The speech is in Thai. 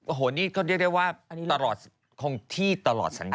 โอ้โหนี่ก็เรียกได้ว่าตลอดคงที่ตลอดสัญญา